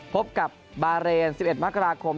พบกับบาเรน๑๑มกราคม